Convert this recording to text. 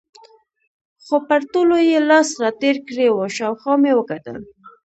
خو پر ټولو یې لاس را تېر کړی و، شاوخوا مې وکتل.